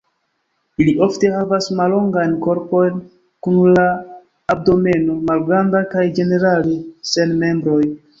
Ili ofte havas mallongajn korpojn, kun la abdomeno malgranda, kaj ĝenerale sen membroj.